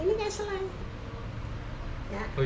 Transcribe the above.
ini kayak selai